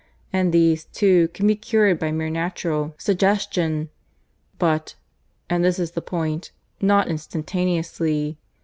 And these, too, can be cured by mere natural suggestion; but and this is the point not instantaneously.